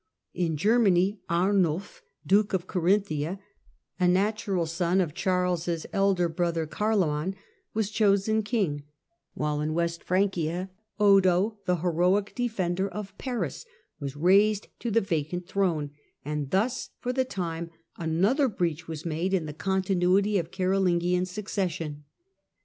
In Germany Arnulf, Duke of Carinthia, a natural son of Charles' elder brother Carloman, was chosen king, while in West Francia Odo, the heroic defender of Paris, was raised to the vacant throne, and thus, for the time, another breach was made in the continuity of the Carolingian succession.